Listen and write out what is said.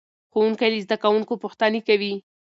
ښوونکی له زده کوونکو پوښتنې کوي.